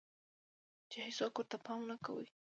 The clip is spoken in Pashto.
چې هيڅوک ورته پام نۀ کوي